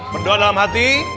berdoa dalam hati